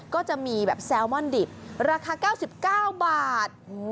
ก็จะมีแบบแซลมอนดิบราคา๙๙บาท